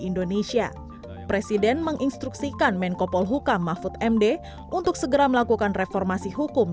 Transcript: indonesia presiden menginstruksikan menko polhukam mahfud md untuk segera melakukan reformasi hukum